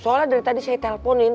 soalnya dari tadi saya telponin